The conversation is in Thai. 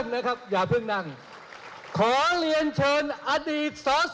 ชูมือใดอดีตสอสอ